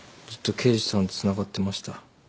ずっと刑事さんとつながってました。